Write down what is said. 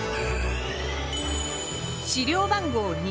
資料番号